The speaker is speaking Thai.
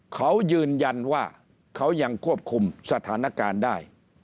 เขายืนยันว่าเขายังควบคุมสถานการณ์ได้